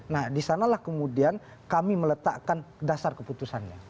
nah di sanalah kemudian kami meletakkan dasar keputusannya